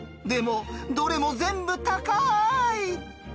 でもどれも全部高い！